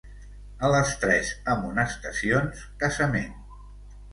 A les tres amonestacions, casament.